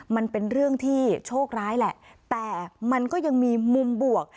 มันเป็นเรื่องที่โชคร้ายแหละแต่มันก็ยังมีมุมบวก